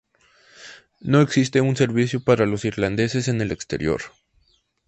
No existe un servicio para los irlandeses en el exterior.